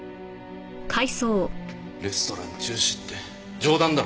レストラン中止って冗談だろ？